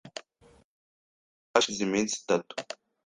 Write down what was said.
Nahageze hashize iminsi itatu .